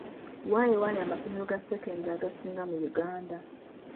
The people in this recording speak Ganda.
Wa ewali amasomero ga sekendule agasinga mu Uganda.